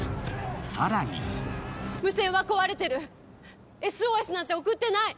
更に無線は壊れてる、ＳＯＳなんて送ってない！